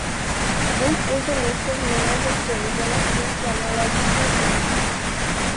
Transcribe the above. This is a "list of mayors of Jerusalem" in chronological order.